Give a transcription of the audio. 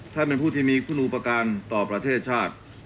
ท่านเป็นผู้ที่มีคุณอุปการณ์ต่อประเทศชาติ